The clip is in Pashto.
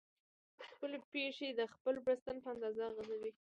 خپلې پښې د خپل بړستن په اندازه غځوئ.